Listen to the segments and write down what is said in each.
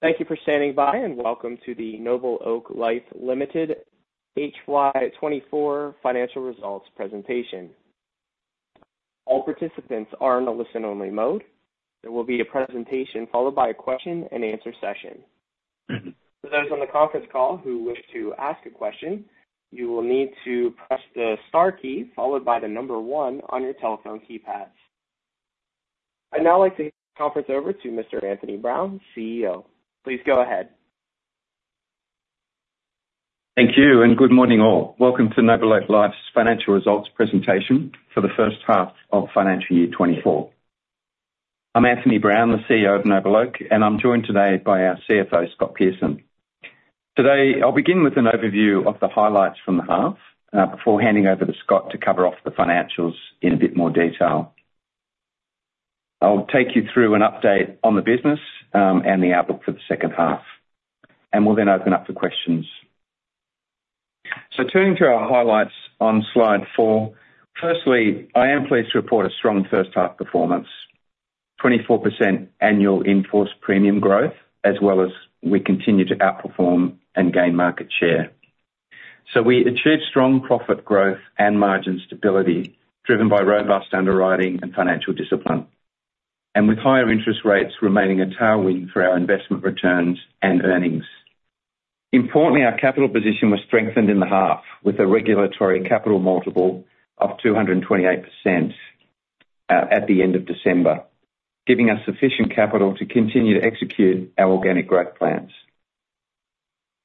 Thank you for standing by, and welcome to the NobleOak Life Limited HY 2024 financial results presentation. All participants are in a listen-only mode. There will be a presentation followed by a question and answer session. For those on the conference call who wish to ask a question, you will need to press the star key followed by the number one on your telephone keypad. I'd now like to hand the conference over to Mr. Anthony Brown, CEO. Please go ahead. Thank you, and good morning, all. Welcome to NobleOak Life's financial results presentation for the first half of financial year 2024. I'm Anthony Brown, the CEO of NobleOak, and I'm joined today by our CFO, Scott Pearson. Today, I'll begin with an overview of the highlights from the half, before handing over to Scott to cover off the financials in a bit more detail. I'll take you through an update on the business, and the outlook for the second half, and we'll then open up for questions. So turning to our highlights on slide four. Firstly, I am pleased to report a strong first half performance, 24% annual in-force premium growth, as well as we continue to outperform and gain market share. So we achieved strong profit growth and margin stability, driven by robust underwriting and financial discipline, and with higher interest rates remaining a tailwind for our investment returns and earnings. Importantly, our capital position was strengthened in the half, with a regulatory capital multiple of 228%, at the end of December, giving us sufficient capital to continue to execute our organic growth plans.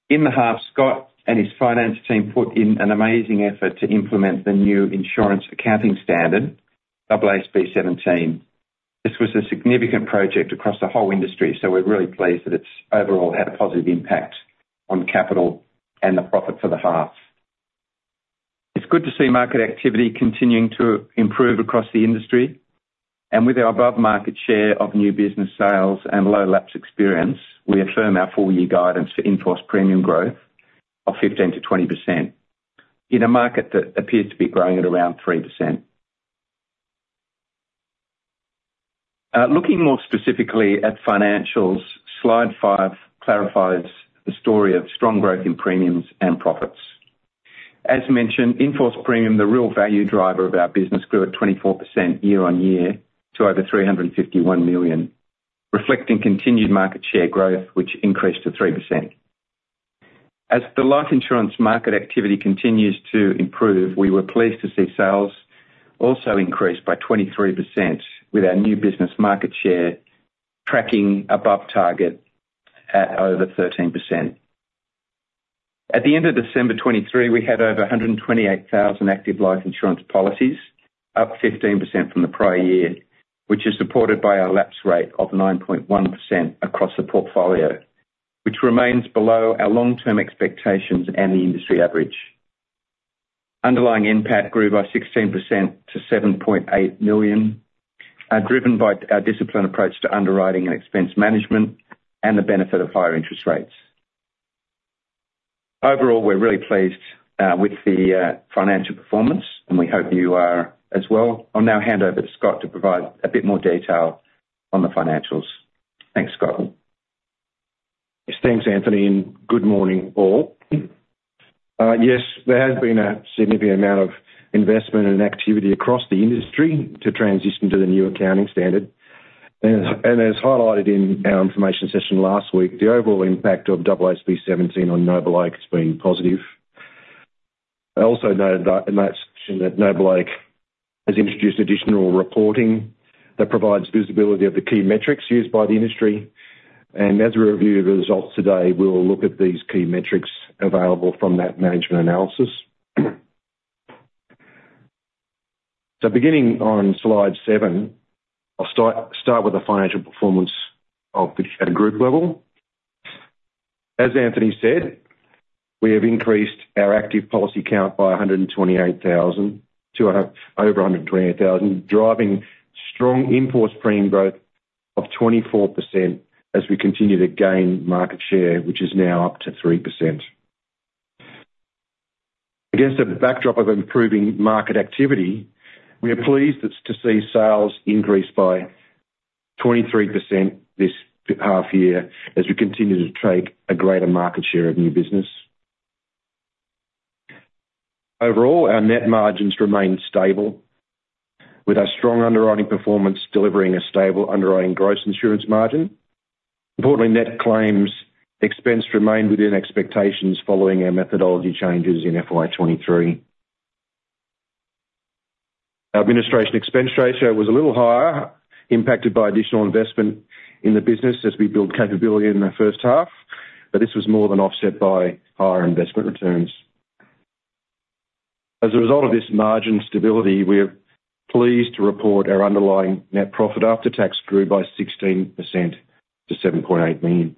In the half, Scott and his finance team put in an amazing effort to implement the new insurance accounting standard, AASB 17. This was a significant project across the whole industry, so we're really pleased that it's overall had a positive impact on capital and the profit for the half. It's good to see market activity continuing to improve across the industry, and with our above market share of new business sales and low lapse experience, we affirm our full year guidance for in-force premium growth of 15%-20% in a market that appears to be growing at around 3%. Looking more specifically at financials, slide five clarifies the story of strong growth in premiums and profits. As mentioned, in-force premium, the real value driver of our business, grew at 24% year-on-year to over 351 million, reflecting continued market share growth, which increased to 3%. As the life insurance market activity continues to improve, we were pleased to see sales also increase by 23%, with our new business market share tracking above target at over 13%. At the end of December 2023, we had over 128,000 active life insurance policies, up 15% from the prior year, which is supported by our lapse rate of 9.1% across the portfolio, which remains below our long-term expectations and the industry average. Underlying NPAT grew by 16% to 7.8 million, driven by our disciplined approach to underwriting and expense management and the benefit of higher interest rates. Overall, we're really pleased with the financial performance, and we hope you are as well. I'll now hand over to Scott to provide a bit more detail on the financials. Thanks, Scott. Yes, thanks, Anthony, and good morning, all. Yes, there has been a significant amount of investment and activity across the industry to transition to the new accounting standard. And as highlighted in our information session last week, the overall impact of AASB 17 on NobleOak has been positive. I also noted that in that session, NobleOak has introduced additional reporting that provides visibility of the key metrics used by the industry, and as we review the results today, we will look at these key metrics available from that management analysis. So beginning on slide seven, I'll start with the financial performance of the NobleOak group level. As Anthony said, we have increased our active policy count by 128,000, to over 128,000, driving strong in-force premium growth of 24% as we continue to gain market share, which is now up to 3%. Against a backdrop of improving market activity, we are pleased to see sales increase by 23% this half year as we continue to take a greater market share of new business. Overall, our net margins remained stable, with our strong underwriting performance delivering a stable underwriting gross insurance margin. Importantly, net claims expense remained within expectations following our methodology changes in FY 2023. Our administration expense ratio was a little higher, impacted by additional investment in the business as we built capability in the first half, but this was more than offset by higher investment returns. As a result of this margin stability, we're pleased to report our underlying net profit after tax grew by 16% to 7.8 million.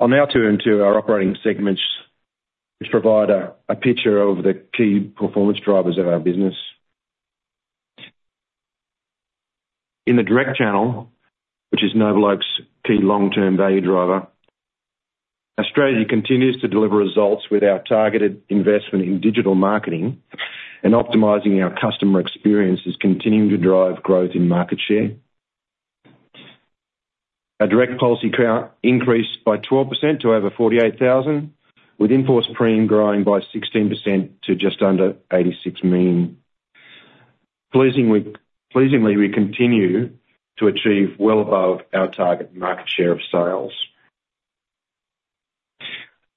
I'll now turn to our operating segments, which provide a picture of the key performance drivers of our business. In the direct channel, which is NobleOak's key long-term value driver. Australia continues to deliver results with our targeted investment in digital marketing, and optimizing our customer experience is continuing to drive growth in market share. Our direct policy count increased by 12% to over 48,000, with in-force premium growing by 16% to just under 86 million. Pleasingly, we continue to achieve well above our target market share of sales.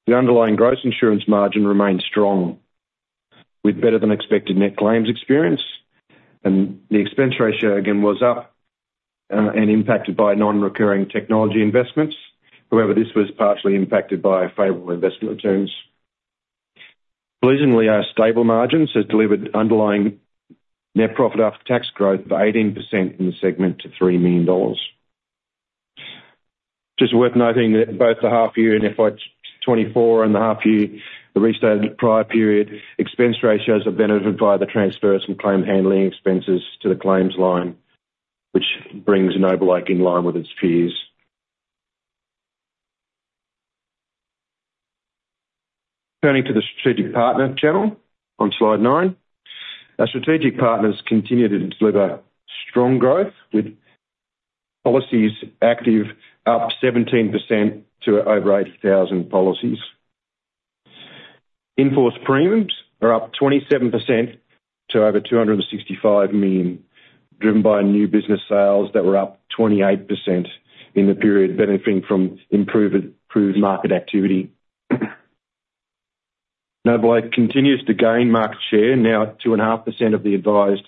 The underlying gross insurance margin remained strong, with better-than-expected net claims experience, and the expense ratio, again, was up, and impacted by non-recurring technology investments. However, this was partially impacted by favorable investment returns. Pleasingly, our stable margins have delivered underlying net profit after tax growth of 18% in the segment to 3 million dollars. Just worth noting that both the half year in FY 2024 and the half year, the restated prior period expense ratios have benefited by the transfers and claim handling expenses to the claims line, which brings NobleOak in line with its peers. Turning to the strategic partner channel on Slide nine. Our strategic partners continue to deliver strong growth, with policies active up 17% to over 80,000 policies. In-force premiums are up 27% to over 265 million, driven by new business sales that were up 28% in the period, benefiting from improved market activity. NobleOak continues to gain market share, now at 2.5% of the advised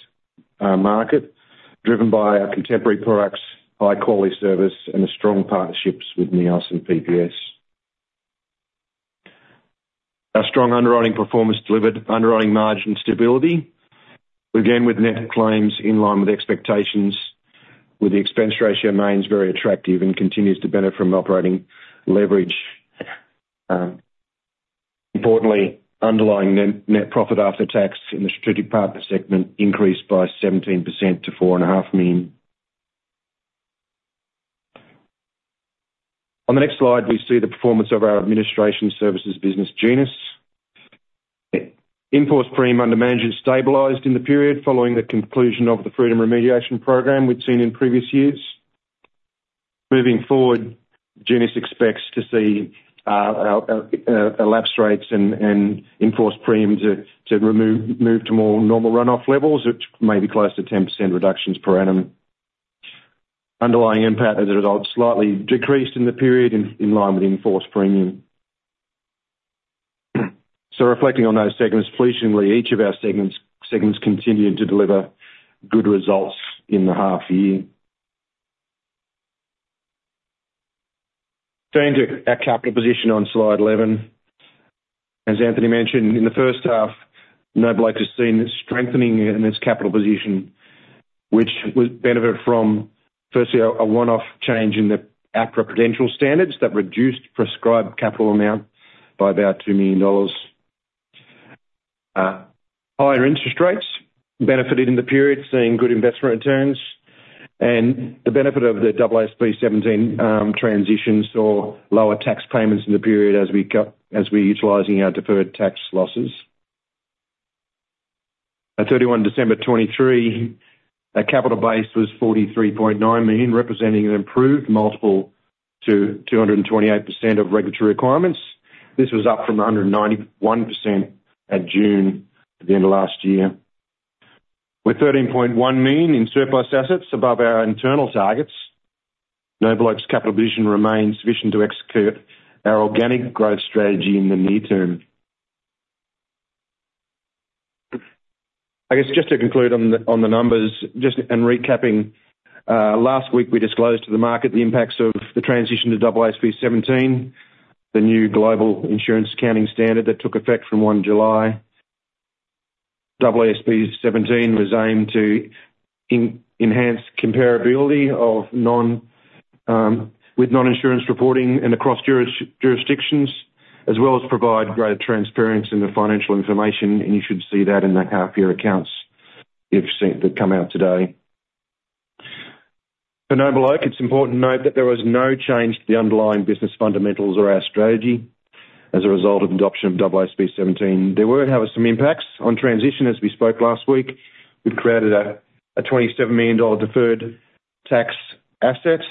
market, driven by our contemporary products, high-quality service, and the strong partnerships with NEOS and PPS. Our strong underwriting performance delivered underwriting margin stability. Again, with net claims in line with expectations, with the expense ratio remains very attractive and continues to benefit from operating leverage. Importantly, underlying net, net profit after tax in the strategic partner segment increased by 17% to 4.5 million. On the next slide, we see the performance of our administration services business, Genus. In-force premium under management stabilized in the period, following the conclusion of the Freedom remediation program we've seen in previous years. Moving forward, Genus expects to see lapse rates and in-force premium to move to more normal run-off levels, which may be close to 10% reductions per annum. Underlying NPAT, as a result, slightly decreased in the period in line with in-force premium. So reflecting on those segments, pleasingly, each of our segments continued to deliver good results in the half year. Turning to our capital position on Slide 11. As Anthony mentioned, in the first half, NobleOak has seen a strengthening in its capital position, which would benefit from, firstly, a one-off change in the APRA capital standards that reduced prescribed capital amount by about 2 million dollars. Higher interest rates benefited in the period, seeing good investment returns, and the benefit of the AASB 17 transitions or lower tax payments in the period as we're utilizing our deferred tax losses. At 31 December 2023, our capital base was 43.9 million, representing an improved multiple to 228% of regulatory requirements. This was up from 191% at June, at the end of last year. With 13.1 million in surplus assets above our internal targets, NobleOak's capital position remains sufficient to execute our organic growth strategy in the near term. I guess, just to conclude on the, on the numbers, just and recapping, last week, we disclosed to the market the impacts of the transition to AASB 17, the new global insurance accounting standard that took effect from 1 July. AASB 17 was aimed to enhance comparability with non-insurance reporting and across jurisdictions, as well as provide greater transparency in the financial information, and you should see that in the half year accounts you've seen that come out today. For NobleOak, it's important to note that there was no change to the underlying business fundamentals or our strategy as a result of the adoption of AASB 17. There were, however, some impacts on transition. As we spoke last week, we've created a 27 million dollar deferred tax asset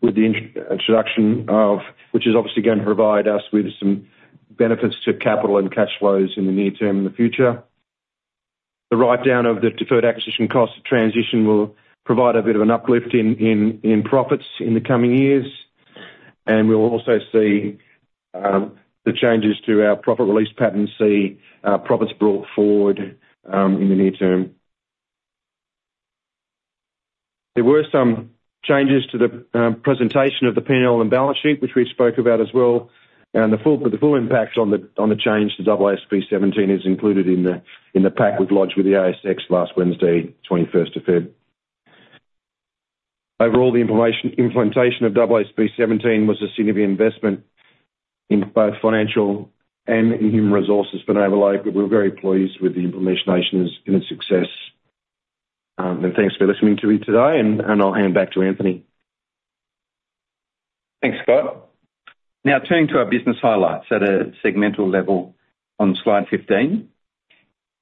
with the introduction of... which is obviously going to provide us with some benefits to capital and cash flows in the near term in the future. The write down of the deferred acquisition cost of transition will provide a bit of an uplift in profits in the coming years, and we'll also see the changes to our profit release pattern, profits brought forward in the near term. There were some changes to the presentation of the PNL and balance sheet, which we spoke about as well, but the full impact on the change to AASB 17 is included in the pack we've lodged with the ASX last Wednesday, 21st of February. Overall, the implementation of AASB 17 was a significant investment in both financial and human resources for NobleOak, but we're very pleased with the implementation and its success. And thanks for listening to me today, and I'll hand back to Anthony. Thanks, Scott. Now turning to our business highlights at a segmental level on slide 15.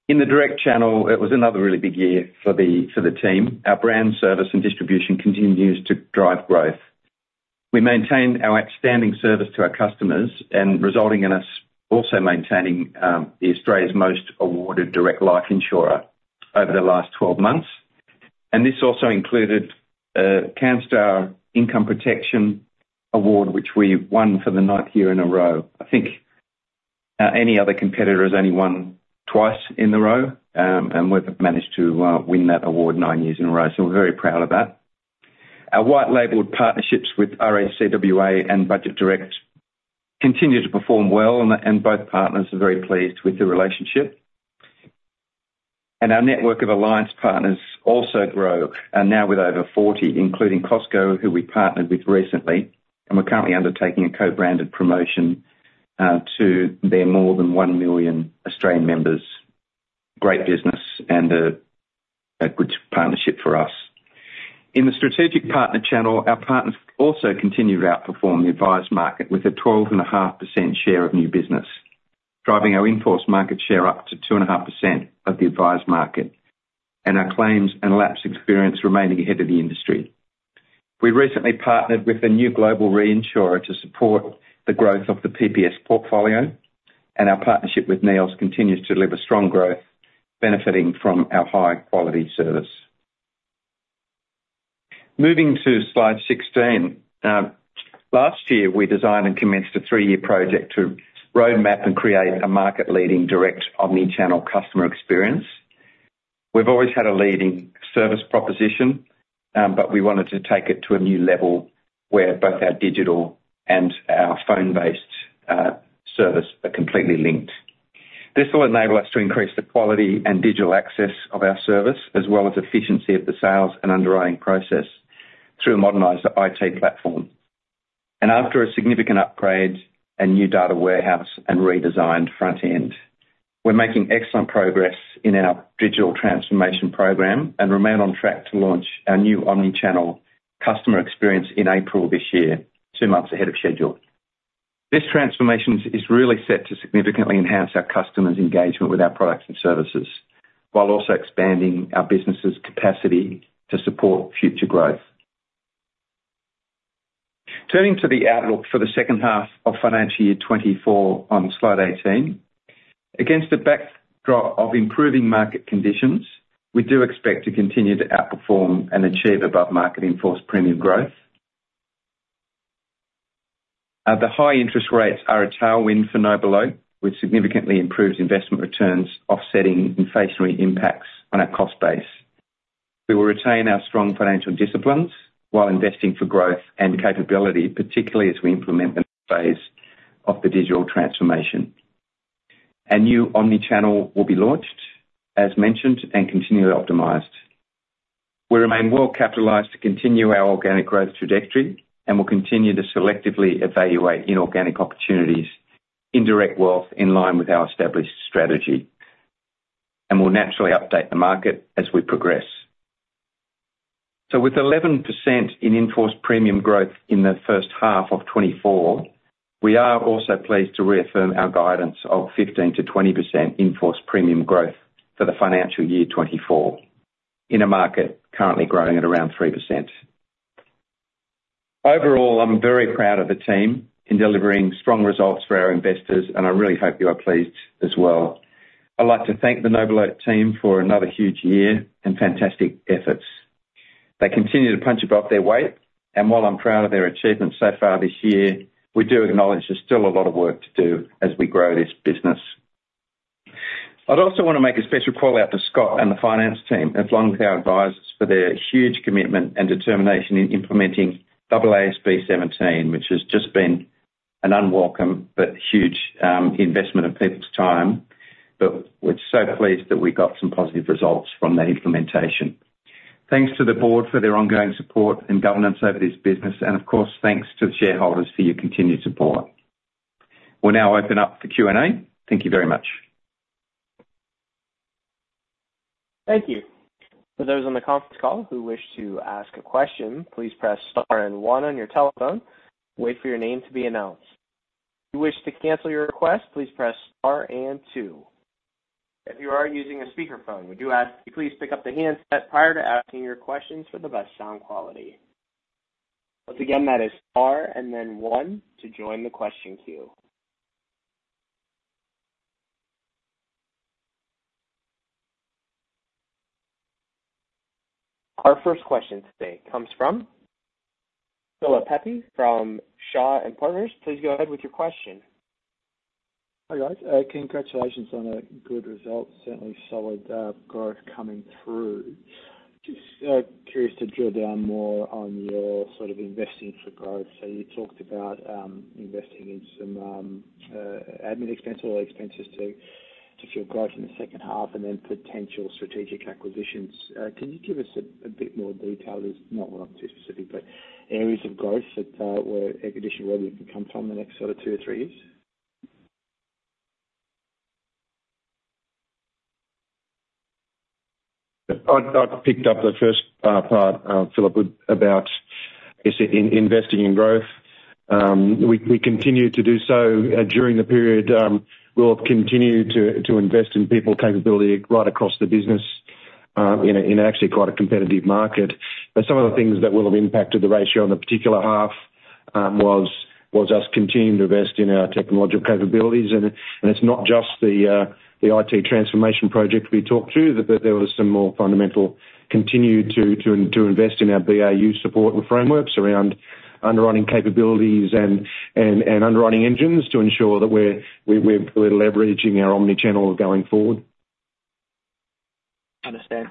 In the direct channel, it was another really big year for the team. Our brand, service, and distribution continues to drive growth. We maintained our outstanding service to our customers and resulting in us also maintaining the Australia's Most Awarded Direct Life Insurer over the last 12 months. And this also included Canstar Income Protection Award, which we won for the ninth year in a row. I think any other competitor has only won twice in a row, and we've managed to win that award nine years in a row, so we're very proud of that. Our white-label partnerships with RAC WA and Budget Direct continue to perform well, and both partners are very pleased with the relationship. Our network of alliance partners also grow, and now with over 40, including Costco, who we partnered with recently, and we're currently undertaking a co-branded promotion to their more than one million Australian members. Great business and a good partnership for us. In the strategic partner channel, our partners also continued to outperform the advised market with a 12.5% share of new business, driving our in-force market share up to 2.5% of the advised market, and our claims and lapse experience remaining ahead of the industry. We recently partnered with a new global reinsurer to support the growth of the PPS portfolio, and our partnership with NEOS continues to deliver strong growth, benefiting from our high-quality service. Moving to slide 16. Last year, we designed and commenced a three-year project to roadmap and create a market-leading direct omni-channel customer experience. We've always had a leading service proposition, but we wanted to take it to a new level where both our digital and our phone-based service are completely linked. This will enable us to increase the quality and digital access of our service, as well as efficiency of the sales and underwriting process through a modernized IT platform. After a significant upgrade, a new data warehouse, and redesigned front end, we're making excellent progress in our digital transformation program and remain on track to launch our new omni-channel customer experience in April this year, two months ahead of schedule. This transformation is really set to significantly enhance our customers' engagement with our products and services, while also expanding our business's capacity to support future growth. Turning to the outlook for the second half of financial year 2024 on slide 18. Against a backdrop of improving market conditions, we do expect to continue to outperform and achieve above-market in-force premium growth. The high interest rates are a tailwind for NobleOak, which significantly improves investment returns, offsetting inflationary impacts on our cost base. We will retain our strong financial disciplines while investing for growth and capability, particularly as we implement the phase of the digital transformation. Our new omni-channel will be launched, as mentioned, and continually optimized. We remain well-capitalized to continue our organic growth trajectory, and will continue to selectively evaluate inorganic opportunities in direct wealth in line with our established strategy, and we'll naturally update the market as we progress. So with 11% in-force premium growth in the first half of 2024, we are also pleased to reaffirm our guidance of 15%-20% in-force premium growth for the financial year 2024, in a market currently growing at around 3%. Overall, I'm very proud of the team in delivering strong results for our investors, and I really hope you are pleased as well. I'd like to thank the NobleOak team for another huge year and fantastic efforts. They continue to punch above their weight, and while I'm proud of their achievements so far this year, we do acknowledge there's still a lot of work to do as we grow this business. I'd also want to make a special call out to Scott and the finance team, along with our advisors, for their huge commitment and determination in implementing AASB 17, which has just been an unwelcome but huge investment of people's time. But we're so pleased that we got some positive results from that implementation. Thanks to the board for their ongoing support and governance over this business. And of course, thanks to the shareholders for your continued support. We'll now open up for Q&A. Thank you very much. Thank you. For those on the conference call who wish to ask a question, please press star and one on your telephone. Wait for your name to be announced. You wish to cancel your request, please press star and two. If you are using a speakerphone, we do ask you please pick up the handset prior to asking your questions for the best sound quality. Once again, that is star and then one to join the question queue. Our first question today comes from Philip Pepe from Shaw and Partners. Please go ahead with your question. Hi, guys. Congratulations on a good result, certainly solid growth coming through. Just curious to drill down more on your sort of investing for growth. So you talked about investing in some admin expense or expenses to fuel growth in the second half, and then potential strategic acquisitions. Can you give us a bit more detail? Not too specific, but areas of growth that were acquisition-ready can come from the next sort of two or three years? ... I picked up the first part, Philip, what about, I guess, investing in growth. We continue to do so during the period. We'll continue to invest in people capability right across the business, actually quite a competitive market. But some of the things that will have impacted the ratio on the particular half was us continuing to invest in our technological capabilities. And it's not just the IT transformation project we talked to, but there was some more fundamental continue to invest in our BAU support and frameworks around underwriting capabilities and underwriting engines to ensure that we're leveraging our omni-channel going forward. Understand.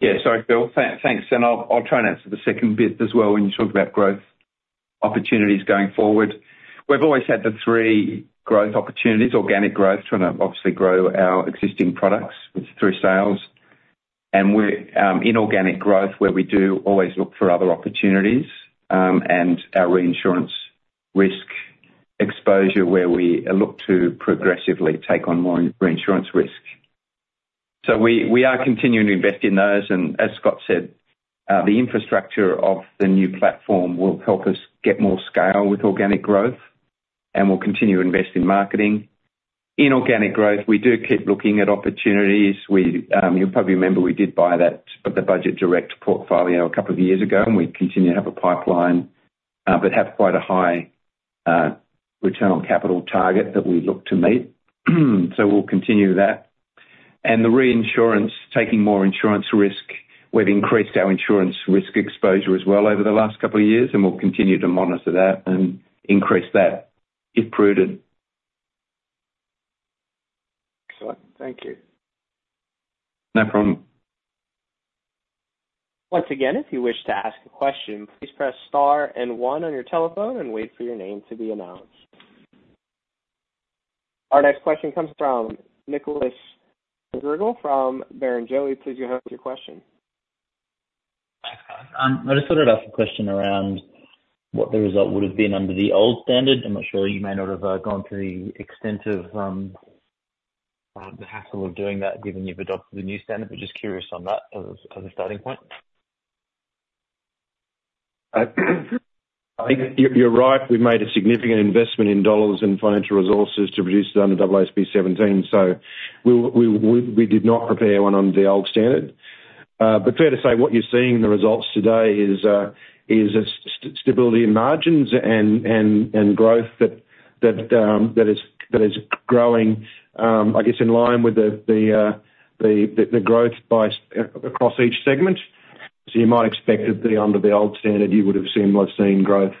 Yeah, sorry, Phil. Thanks, and I'll try and answer the second bit as well. When you talk about growth opportunities going forward, we've always had the three growth opportunities: organic growth, trying to obviously grow our existing products through sales, and we're inorganic growth, where we do always look for other opportunities, and our reinsurance risk exposure, where we look to progressively take on more reinsurance risk. So we are continuing to invest in those, and as Scott said, the infrastructure of the new platform will help us get more scale with organic growth, and we'll continue to invest in marketing. Inorganic growth, we do keep looking at opportunities. We, you'll probably remember, we did buy that, the Budget Direct portfolio a couple of years ago, and we continue to have a pipeline, but have quite a high, return on capital target that we look to meet. So we'll continue that. And the reinsurance, taking more insurance risk, we've increased our insurance risk exposure as well over the last couple of years, and we'll continue to monitor that and increase that, if prudent. Excellent. Thank you. No problem. Once again, if you wish to ask a question, please press star and one on your telephone and wait for your name to be announced. Our next question comes from Nicholas McGarrigle from Barrenjoey. Please go ahead with your question. Thanks, guys. I just wanted to ask a question around what the result would've been under the old standard. I'm not sure, you may not have gone to the extent of the hassle of doing that given you've adopted the new standard, but just curious on that as a starting point. I think you're right. We've made a significant investment in dollars and financial resources to produce it under AASB 17, so we did not prepare one under the old standard. But fair to say, what you're seeing in the results today is a stability in margins and growth that is growing, I guess, in line with the growth across each segment. So you might expect that under the old standard, you would've seen less growth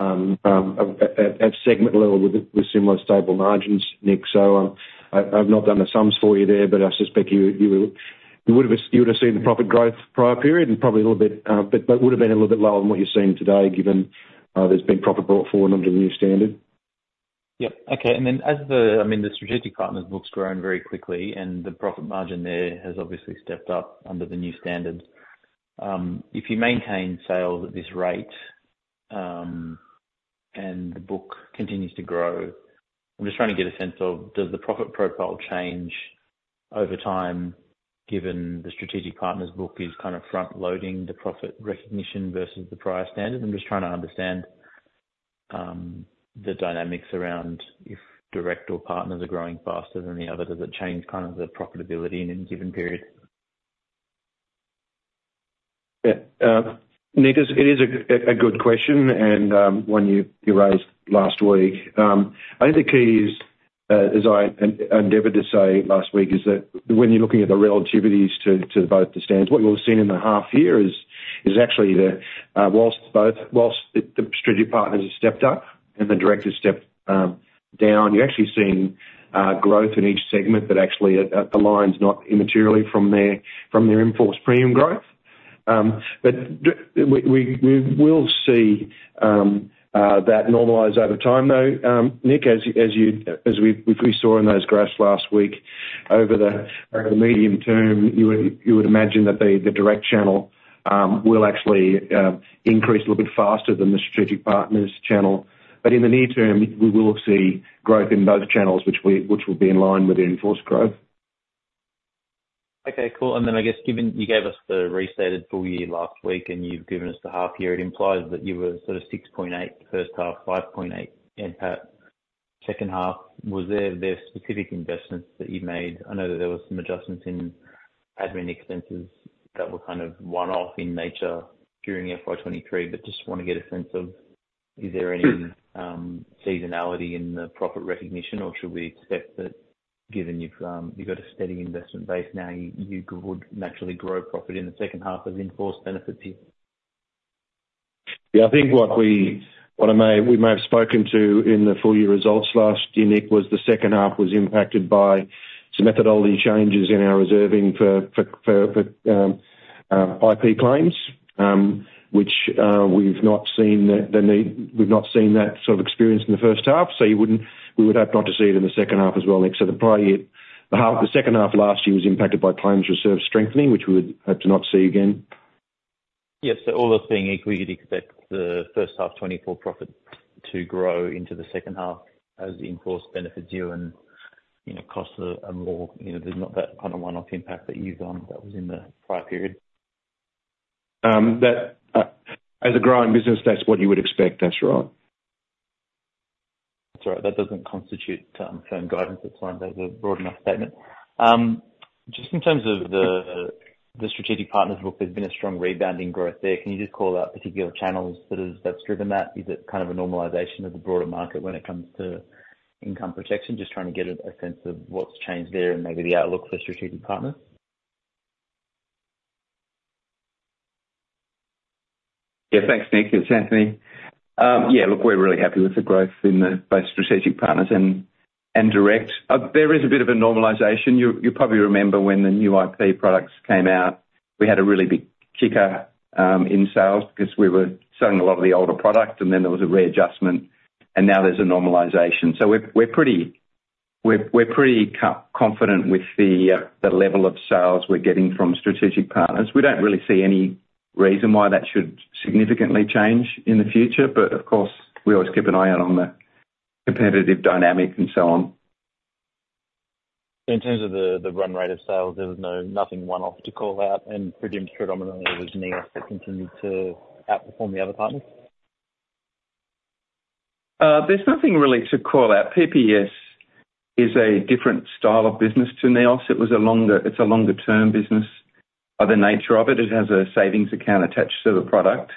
at segment level with similar stable margins, Nick. So, I've not done the sums for you there, but I suspect you would've seen the profit growth prior period and probably a little bit, but would've been a little bit lower than what you're seeing today, given there's been profit brought forward under the new standard. Yep. Okay. And then as the, I mean, the strategic partners book's grown very quickly, and the profit margin there has obviously stepped up under the new standards. If you maintain sales at this rate, and the book continues to grow, I'm just trying to get a sense of, does the profit profile change over time, given the strategic partners book is kind of front loading the profit recognition versus the prior standard? I'm just trying to understand the dynamics around if direct or partners are growing faster than the other, does it change kind of the profitability in a given period? Yeah. Nick, it is a good question, and one you raised last week. I think the key is, as I endeavored to say last week, is that when you're looking at the relativities to both the standards, what you'll have seen in the half year is actually the whilst both the strategic partners have stepped up and the directors stepped down, you're actually seeing growth in each segment, that actually it aligns not immaterially from their in-force premium growth. But we will see that normalize over time, though, Nick, as you as we saw in those graphs last week, over the medium term, you would imagine that the direct channel will actually increase a little bit faster than the strategic partners channel. But in the near term, we will see growth in both channels, which will be in line with the in-force growth. Okay, cool. And then I guess, given you gave us the restated full year last week, and you've given us the half year, it implies that you were sort of 6.8 first half, 5.8 NPAT second half. Was there specific investments that you made? I know that there was some adjustments in admin expenses that were kind of one-off in nature during FY 2023, but just want to get a sense of, is there seasonality in the profit recognition, or should we expect that given you've, you've got a steady investment base now, you would naturally grow profit in the second half of in-force benefits year? Yeah, I think what we may have spoken to in the full year results last year, Nick, was the second half was impacted by some methodology changes in our reserving for IP claims, which we've not seen. We've not seen that sort of experience in the first half, so we would hope not to see it in the second half as well, Nick. So probably the second half last year was impacted by claims reserve strengthening, which we would hope to not see again.... Yes, so all those being equal, you'd expect the first half 2024 profit to grow into the second half as the in-force benefits you and, you know, costs are more, you know, there's not that kind of one-off impact that you've done that was in the prior period? As a growing business, that's what you would expect. That's right. Sorry, that doesn't constitute firm guidance. It's fine. That's a broad enough statement. Just in terms of the strategic partners book, there's been a strong rebounding growth there. Can you just call out particular channels that is, that's driven that? Is it kind of a normalization of the broader market when it comes to Income Protection? Just trying to get a sense of what's changed there and maybe the outlook for strategic partners. Yeah, thanks, Nick. It's Anthony. Yeah, look, we're really happy with the growth in the both strategic partners and direct. There is a bit of a normalization. You probably remember when the new IP products came out, we had a really big kicker in sales because we were selling a lot of the older product, and then there was a readjustment, and now there's a normalization. So we're pretty confident with the level of sales we're getting from strategic partners. We don't really see any reason why that should significantly change in the future, but of course, we always keep an eye out on the competitive dynamics and so on. In terms of the run rate of sales, there was nothing one-off to call out, and presumed predominantly it was NEOS that continued to outperform the other partners? There's nothing really to call out. PPS is a different style of business to NEOS. It's a longer term business. By the nature of it, it has a savings account attached to the product,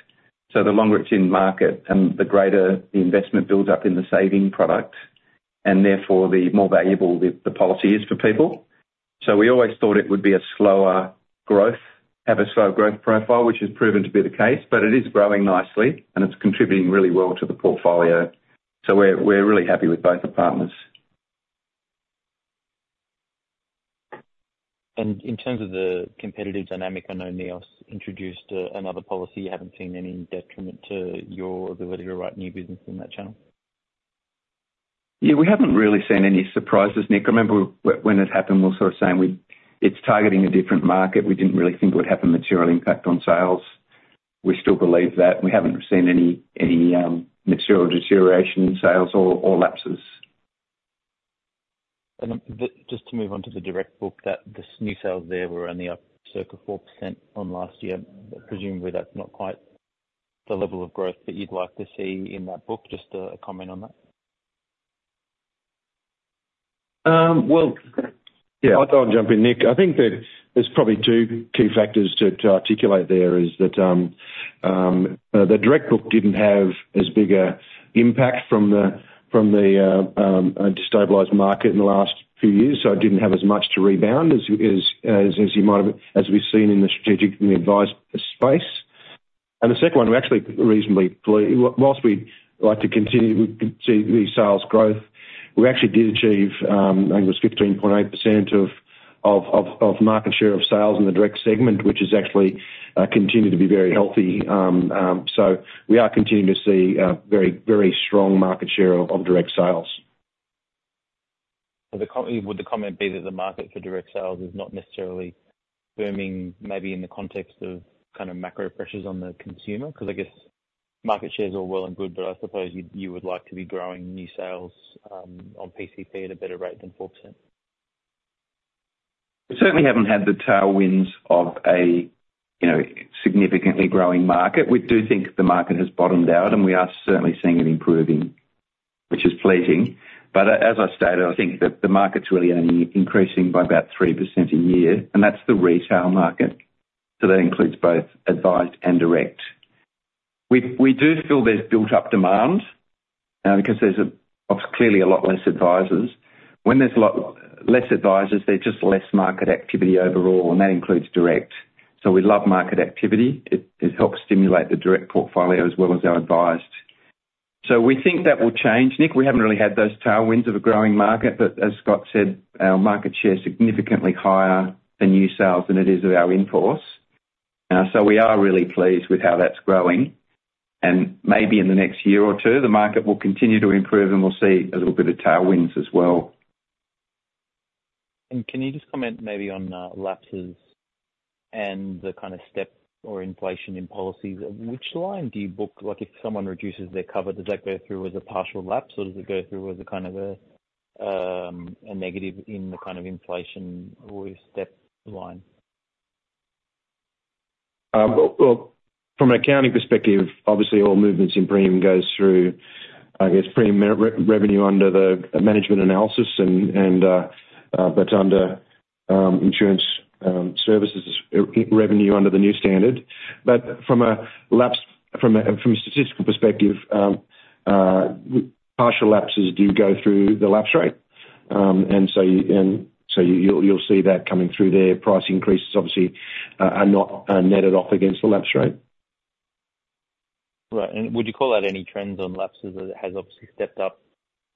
so the longer it's in market and the greater the investment builds up in the savings product, and therefore, the more valuable the policy is for people. So we always thought it would be a slower growth, have a slow growth profile, which has proven to be the case, but it is growing nicely, and it's contributing really well to the portfolio. So we're really happy with both the partners. In terms of the competitive dynamic, I know NEOS introduced another policy. You haven't seen any detriment to your ability to write new business in that channel? Yeah, we haven't really seen any surprises, Nick. I remember when it happened, we were sort of saying it's targeting a different market. We didn't really think it would have a material impact on sales. We still believe that. We haven't seen any material deterioration in sales or lapses. Just to move on to the direct book, that, this new sales there were only up circa 4% on last year. Presumably, that's not quite the level of growth that you'd like to see in that book. Just a comment on that. Well, yeah, I'll, I'll jump in, Nick. I think that there's probably two key factors to articulate there, is that the direct book didn't have as big an impact from the destabilized market in the last few years, so it didn't have as much to rebound as you might have, as we've seen in the strategic and the advice space. And the second one, we're actually reasonably pleased. Whilst we'd like to continue to see the sales growth, we actually did achieve, I think it was 15.8% of market share of sales in the direct segment, which is actually continued to be very healthy. So we are continuing to see a very, very strong market share of direct sales. So would the comment be that the market for direct sales is not necessarily booming, maybe in the context of kind of macro pressures on the consumer? 'Cause I guess market share is all well and good, but I suppose you, you would like to be growing new sales on PCP at a better rate than 4%. We certainly haven't had the tailwinds of a, you know, significantly growing market. We do think the market has bottomed out, and we are certainly seeing it improving, which is pleasing. But as I stated, I think that the market's really only increasing by about 3% a year, and that's the retail market, so that includes both advised and direct. We, we do feel there's built up demand, because there's obviously, clearly a lot less advisors. When there's a lot less advisors, there's just less market activity overall, and that includes direct. So we love market activity. It, it helps stimulate the direct portfolio as well as our advised. So we think that will change, Nick. We haven't really had those tailwinds of a growing market, but as Scott said, our market share is significantly higher than new sales than it is of our in-force. So we are really pleased with how that's growing, and maybe in the next year or two, the market will continue to improve, and we'll see a little bit of tailwinds as well. Can you just comment maybe on lapses and the kind of step or inflation in policies? Which line do you book? Like, if someone reduces their cover, does that go through as a partial lapse, or does it go through as a kind of a negative in the kind of inflation or step line? Well, from an accounting perspective, obviously all movements in premium goes through, I guess, premium revenue under the management analysis, but under insurance services revenue under the new standard. But from a lapse, from a statistical perspective, partial lapses do go through the lapse rate. And so you'll see that coming through there. Price increases obviously are not netted off against the lapse rate. Right. And would you call out any trends on lapses? It has obviously stepped up,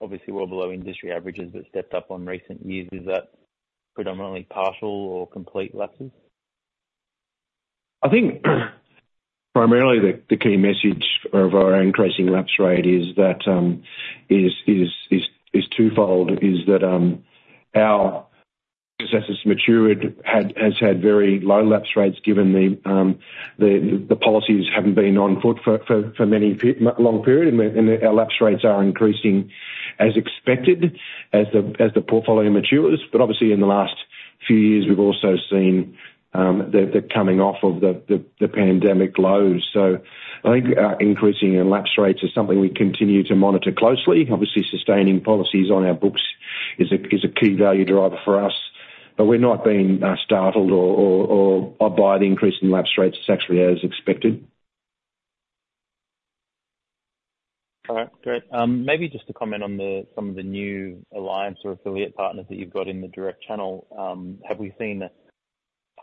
obviously well below industry averages, but stepped up on recent years. Is that predominantly partial or complete lapses? I think primarily the key message of our increasing lapse rate is that it is twofold, that as this has matured, it has had very low lapse rates, given the policies haven't been on foot for a long period, and our lapse rates are increasing as expected, as the portfolio matures. But obviously, in the last few years, we've also seen the coming off of the pandemic lows. So I think the increase in lapse rates is something we continue to monitor closely. Obviously, sustaining policies on our books is a key value driver for us, but we're not being startled by the increase in lapse rates. It's actually as expected. All right, great. Maybe just to comment on the, some of the new alliance or affiliate partners that you've got in the direct channel. Have we seen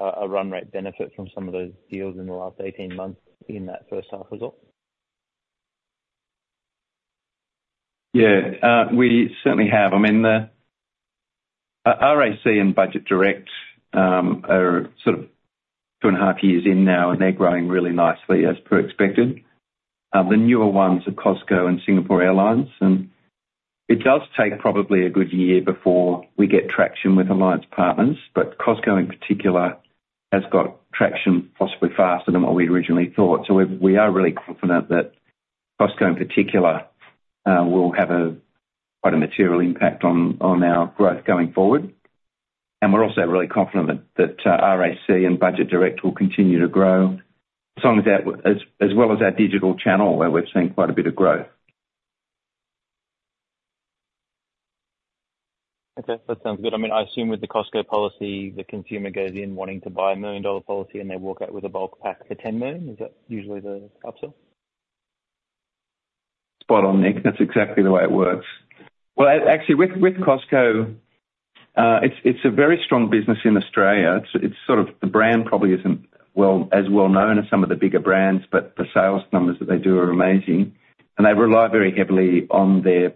a run rate benefit from some of those deals in the last 18 months in that first half result? Yeah, we certainly have. I mean, the RAC and Budget Direct are sort of 2.5 years in now, and they're growing really nicely, as per expected. The newer ones are Costco and Singapore Airlines, and it does take probably a good year before we get traction with alliance partners, but Costco, in particular, has got traction possibly faster than what we originally thought. So we are really confident that Costco, in particular, will have quite a material impact on our growth going forward. And we're also really confident that RAC and Budget Direct will continue to grow as well as our digital channel, where we've seen quite a bit of growth. Okay, that sounds good. I mean, I assume with the Costco policy, the consumer goes in wanting to buy an 1 million dollar policy, and they walk out with a bulk pack for 10 million. Is that usually the upsell? Spot on, Nick. That's exactly the way it works. Well, actually, with Costco, it's a very strong business in Australia. It's sort of the brand probably isn't as well known as some of the bigger brands, but the sales numbers that they do are amazing, and they rely very heavily on their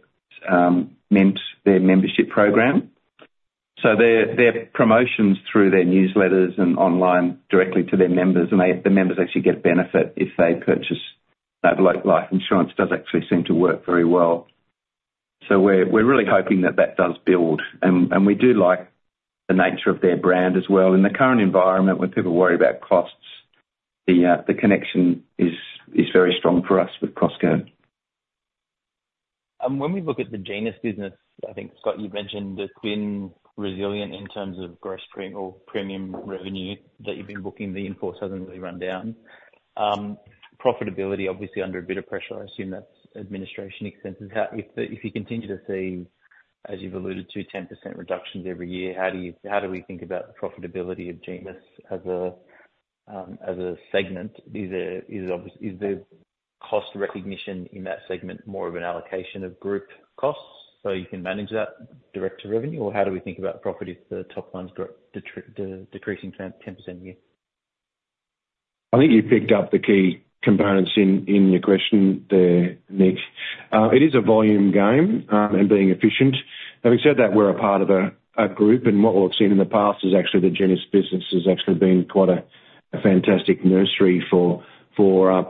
membership program. So their promotions through their newsletters and online directly to their members, and the members actually get benefit if they purchase level life insurance, does actually seem to work very well. So we're really hoping that that does build, and we do like the nature of their brand as well. In the current environment, when people worry about costs, the connection is very strong for us with Costco. When we look at the Genus business, I think, Scott, you've mentioned it's been resilient in terms of gross premium revenue that you've been booking. The in-force hasn't really run down. Profitability, obviously under a bit of pressure, I assume that's administration expenses. How, if you continue to see, as you've alluded to, 10% reductions every year, how do we think about the profitability of Genus as a segment? Is the cost recognition in that segment more of an allocation of group costs, so you can manage that direct to revenue? Or how do we think about profit if the top line's decreasing 10% a year? I think you picked up the key components in your question there, Nick. It is a volume game, and being efficient. Having said that, we're a part of a group, and what we've seen in the past is actually the Genus business has actually been quite a fantastic nursery for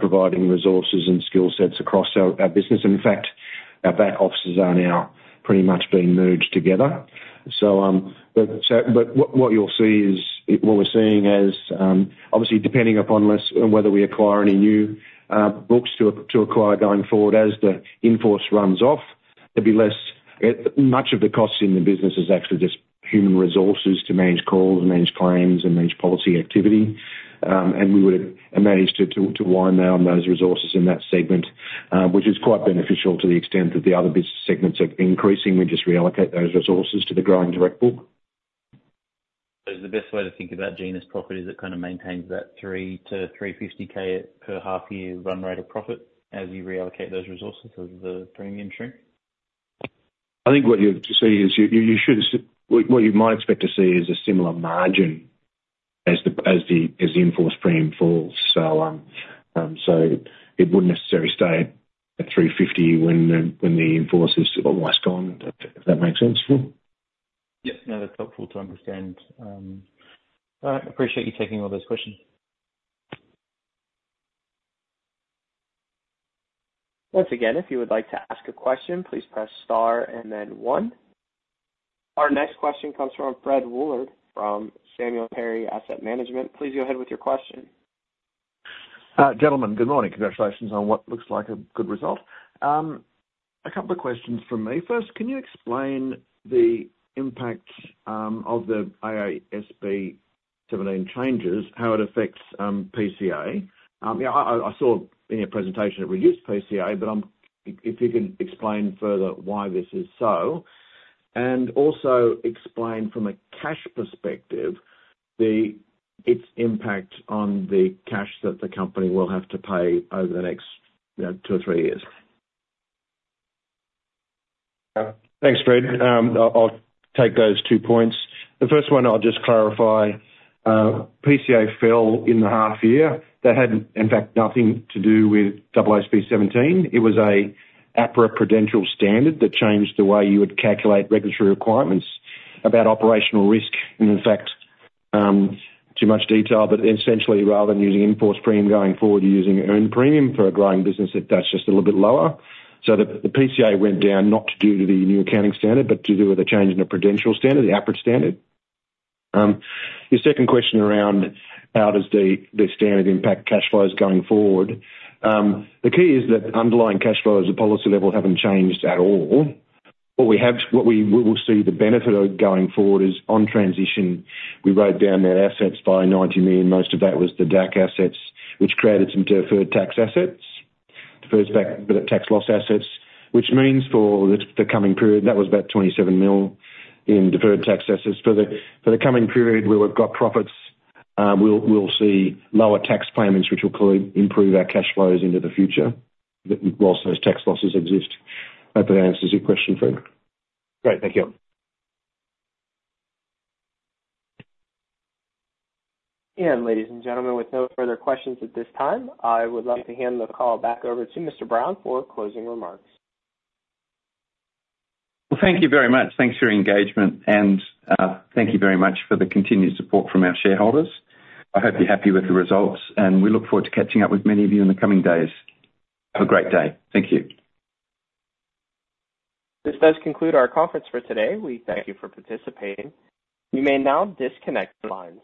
providing resources and skill sets across our business. And in fact, our back offices are now pretty much being merged together. So, but what you'll see is... What we're seeing is, obviously, depending upon whether we acquire any new books to acquire going forward, as the in-force runs off, there'll be less. Much of the costs in the business is actually just human resources to manage calls, and manage claims, and manage policy activity. And we would manage to wind down those resources in that segment, which is quite beneficial to the extent that the other business segments are increasing. We just reallocate those resources to the growing direct book. The best way to think about Genus profit is it kind of maintains that 300K-350K per half year run rate of profit as you reallocate those resources as the premium shrink? I think what you'll see is you should see. What you might expect to see is a similar margin as the in-force premium falls. So, it wouldn't necessarily stay at 350 when the in-force is almost gone, if that makes sense? Yep. No, that's helpful to understand. All right. Appreciate you taking all those questions. Once again, if you would like to ask a question, please press star and then one. Our next question comes from Fred Woollard from Samuel Terry Asset Management. Please go ahead with your question. Gentlemen, good morning. Congratulations on what looks like a good result. A couple of questions from me. First, can you explain the impact of the AASB 17 changes, how it affects PCA? Yeah, I saw in your presentation that we used PCA, but if you can explain further why this is so, and also explain from a cash perspective, its impact on the cash that the company will have to pay over the next, you know, two or three years. Thanks, Fred. I'll take those two points. The first one, I'll just clarify, PCA fell in the half year. That had, in fact, nothing to do with AASB 17. It was an APRA Prudential standard that changed the way you would calculate regulatory requirements about operational risk, and in fact, too much detail. But essentially, rather than using in-force premium going forward, you're using earned premium for a growing business, that's just a little bit lower. So the PCA went down not due to the new accounting standard, but to do with a change in the Prudential standard, the APRA standard. Your second question around how does the standard impact cash flows going forward? The key is that underlying cash flows at policy level haven't changed at all. What we will see the benefit of going forward is, on transition, we wrote down our assets by 90 million. Most of that was the DAC assets, which created some deferred tax assets, deferreds back, but tax loss assets, which means for the coming period, that was about 27 million in deferred tax assets. For the coming period, where we've got profits, we'll see lower tax payments, which will improve our cash flows into the future, but whilst those tax losses exist. Hope that answers your question, Fred. Great. Thank you. Ladies and gentlemen, with no further questions at this time, I would like to hand the call back over to Mr. Brown for closing remarks. Well, thank you very much. Thanks for your engagement, and thank you very much for the continued support from our shareholders. I hope you're happy with the results, and we look forward to catching up with many of you in the coming days. Have a great day. Thank you. This does conclude our conference for today. We thank you for participating. You may now disconnect your lines.